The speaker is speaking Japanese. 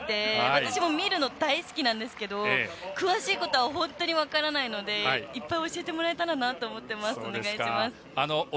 私も見るの大好きなんですけど詳しいことは本当に分からないのでいっぱい教えてもらえたらなと思っています、お願いします。